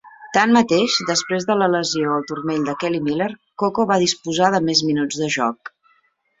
Tanmateix, després de la lesió al turmell de Kelly Miller, Coco va disposar de més minuts de joc.